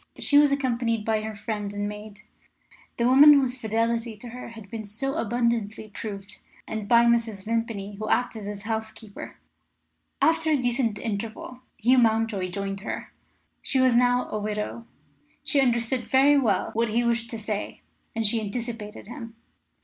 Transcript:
She was accompanied by her friend and maid the woman whose fidelity to her had been so abundantly proved and by Mrs. Vimpany, who acted as housekeeper. After a decent interval, Hugh Mountjoy joined her. She was now a widow. She understood very well what he wished to say, and she anticipated him.